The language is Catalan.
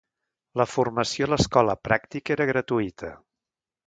La formació a l’Escola Pràctica era gratuïta.